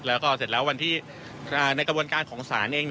แล้วก็เสร็จแล้ววันที่ในกระบวนการของศาลเอง